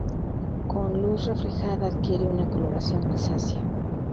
Con luz reflejada adquiere una coloración grisácea.